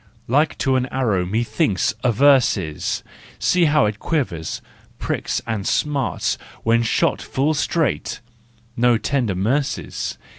Like to an arrow, methinks, a verse is. See how it quivers, pricks and smarts When shot full straight (no tender mercies!)